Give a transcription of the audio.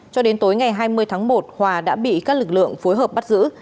cho đến tối ngày hai mươi tháng một hòa đã bị các lực lượng phối hợp bắt giữ